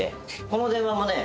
この電話もね